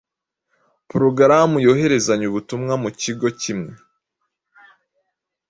porogaramu yohererezanya ubutumwa muikigo kimwe